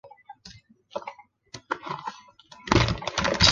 本文给出一阶经典场论的协变表述的一些几何结构。